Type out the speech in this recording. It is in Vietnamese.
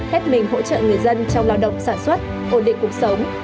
hết mình hỗ trợ người dân trong lao động sản xuất ổn định cuộc sống